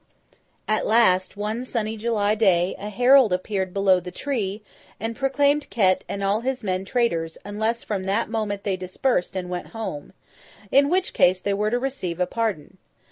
At last, one sunny July day, a herald appeared below the tree, and proclaimed Ket and all his men traitors, unless from that moment they dispersed and went home: in which case they were to receive a pardon.